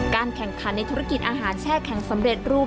แข่งขันในธุรกิจอาหารแช่แข็งสำเร็จรูป